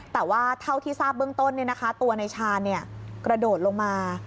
แต่ว่าเท่าที่ทราบเบื้องต้นเนี่ยนะคะตัวในชานเนี่ยกระโดดลงมา